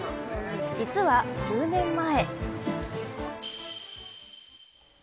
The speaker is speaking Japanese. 実は数年前。